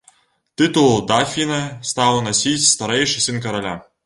Тытул дафіна стаў насіць старэйшы сын караля.